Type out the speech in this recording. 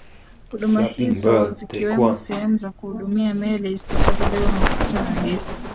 Huduma hizo zikiwemo sehemu za kuhudumia meli zitakazobeba mafuta na gesi